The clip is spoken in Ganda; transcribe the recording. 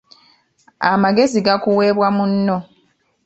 Amagezi gakuweebwa munno.